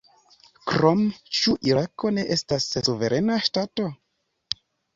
Krome: ĉu Irako ne estas suverena ŝtato?